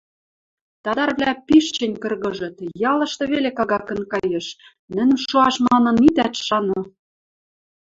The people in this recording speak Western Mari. Тадарвлӓ пиш чӹнь кыргыжыт, ялышты веле кагакын каеш, нӹнӹм шоаш манын итӓт шаны.